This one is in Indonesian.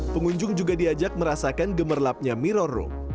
pengunjung juga diajak merasakan gemerlapnya mirror room